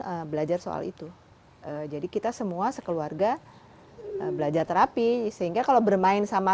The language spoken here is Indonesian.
kita belajar soal itu jadi kita semua sekeluarga belajar terapi sehingga kalau bermain sama